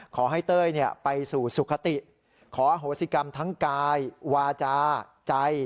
เต้ยไปสู่สุขติขอโหสิกรรมทั้งกายวาจาใจ